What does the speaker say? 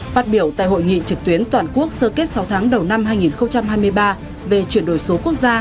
phát biểu tại hội nghị trực tuyến toàn quốc sơ kết sáu tháng đầu năm hai nghìn hai mươi ba về chuyển đổi số quốc gia